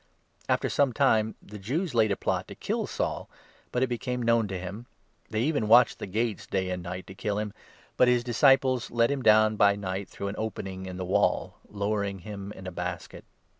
After some time the Jews laid a plot to kill Saul, but it 23 became known to him. They even watched the gates day 24 and night, to kill him ; but his disciples let him down by 25 night through an opening in the wall, lowering him in a basket.